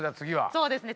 そうですね